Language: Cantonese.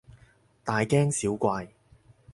大驚小怪